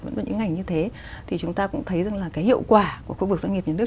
vẫn vào những ngành như thế thì chúng ta cũng thấy rằng là cái hiệu quả của khu vực doanh nghiệp nhà nước